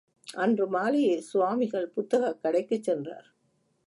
அன்று மாலேயே சுவாமிகள் புத்தகக் கடைக்குச் சென்றார்.